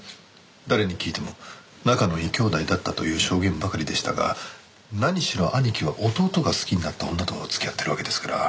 誰に聞いても仲のいい兄弟だったという証言ばかりでしたが何しろ兄貴は弟が好きになった女と付き合ってるわけですから。